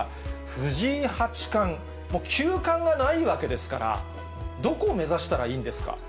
藤井八冠、もう九冠がないわけですから、どこを目指したらいいんですか。